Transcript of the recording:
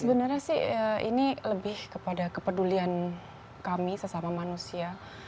sebenarnya sih ini lebih kepada kepedulian kami sesama manusia